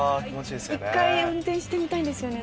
１回運転してみたいんですよね